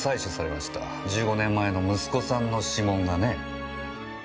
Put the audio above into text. １５年前の息子さんの指紋がね。